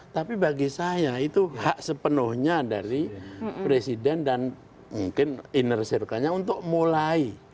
tapi bagi saya itu hak sepenuhnya dari presiden dan mungkin inner circle nya untuk mulai